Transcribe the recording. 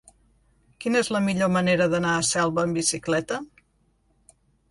Quina és la millor manera d'anar a Selva amb bicicleta?